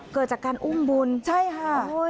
เกิดจากการอุ้มบุญใช่ค่ะ